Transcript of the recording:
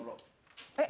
えっ？